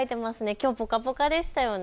きょうぽかぽかでしたよね。